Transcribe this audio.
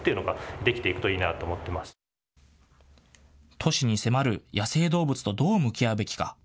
都市に迫る野生動物とどう向き合うべきか。